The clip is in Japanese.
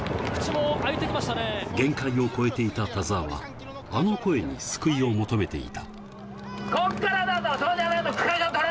限界を超えていた田澤は、あの声に救いを求めていた。